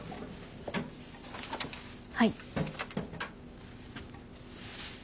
はい。